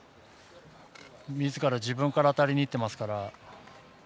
みずから当たりにいっていますから。